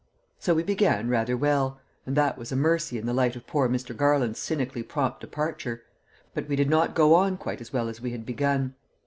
So we began rather well; and that was a mercy in the light of poor Mr. Garland's cynically prompt departure; but we did not go on quite as well as we had begun.